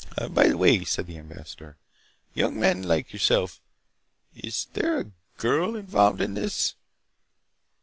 "By the way," said the ambassador. "Young men like yourself— Is there a girl involved in this?"